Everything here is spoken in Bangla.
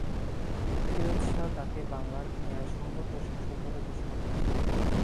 ফিরোজ শাহ তাকে বাংলার ন্যায়সঙ্গত শাসক বলে ঘোষণা করেন।